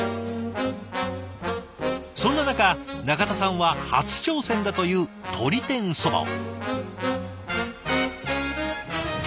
そんな中中田さんは初挑戦だというとり天そばを。